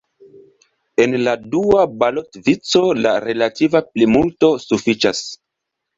En la dua balotvico, la relativa plimulto sufiĉas.